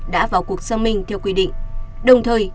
đã vào cuộc xâm minh theo quy định